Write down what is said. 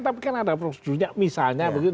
tapi kan ada prosedurnya misalnya begitu